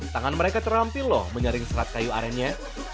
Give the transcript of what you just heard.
tangan mereka terampil loh menyaring serat kayu arennya